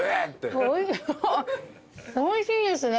おいしいですね。